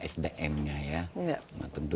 sdm nya ya tentu